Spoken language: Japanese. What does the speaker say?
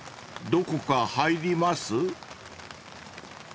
［どこか入ります？］